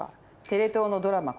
テレ東のドラマ